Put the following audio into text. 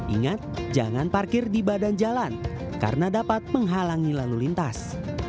ingat jangan parkir di badan jalan karena dapat menghalangi lalu lintas